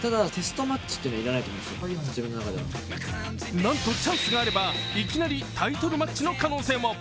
なんとチャンスがあればいきなりタイトルマッチの可能性も。